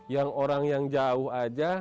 yang orang yang jauh aja